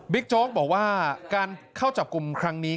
โจ๊กบอกว่าการเข้าจับกลุ่มครั้งนี้